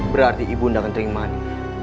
berarti ibu ketrimani